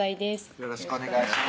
よろしくお願いします